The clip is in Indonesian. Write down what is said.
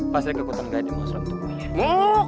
pasti kekuatan ga ada masalah untuk lo ya